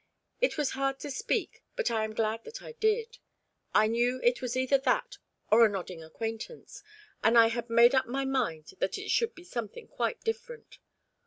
It was hard to speak, but I am glad that I did. I knew it was either that or a nodding acquaintance, and I had made up my mind that it should be something quite different.